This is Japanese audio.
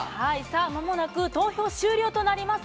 まもなく投票終了となります。